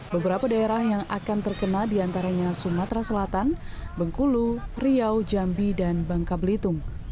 beberapa daerah yang akan terkena diantaranya sumatera selatan bengkulu riau jambi dan bangka belitung